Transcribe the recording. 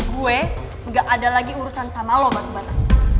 gue gak ada lagi urusan sama lo mbak kumbata